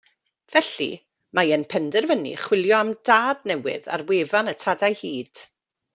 Felly, mae e'n penderfynu chwilio am dad newydd ar wefan y Tadau Hud.